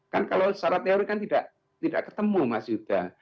kan kalau secara teori kan tidak ketemu mas yuda